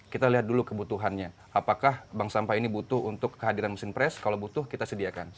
kita lihat dulu kebutuhannya apakah bank sampah ini butuh untuk kehadiran mesin pres kalau butuh kita sediakan